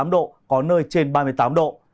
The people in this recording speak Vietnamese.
ba mươi sáu ba mươi tám độ có nơi trên ba mươi tám độ